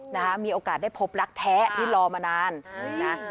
นะคะมีโอกาสได้พบรักแท้ที่รอมานานนะ